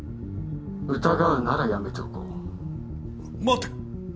疑うならやめておこう待て！